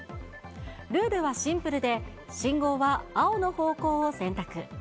ルールはシンプルで、信号は青の方向を選択。